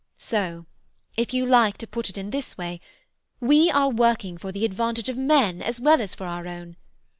So, if you like to put it in this way, we are working for the advantage of men as well as for our own.